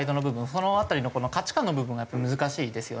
その辺りの価値観の部分がやっぱり難しいですよね。